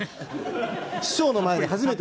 師匠の前で初めて。